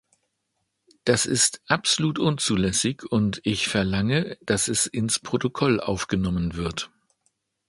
Das ist absolut unzulässig, und ich verlange, dass es ins Protokoll aufgenommen wird.